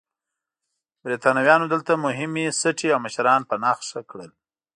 برېټانویانو دلته مهمې سټې او مشران په نښه کړل.